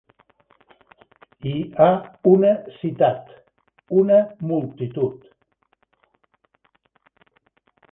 Hi ha una citat, una multitud.